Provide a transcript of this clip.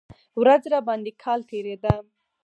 ورځ راباندې کال تېرېده.